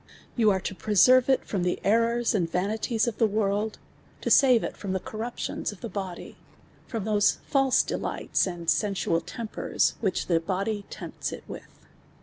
\ Ou are '.o |)reserve it iVom the errors and vanities of the world, (.o save it from the corru[)tions (d' the body, from those false dcli^lds, and sensual lempers, whi<h (he body (emp(s it with.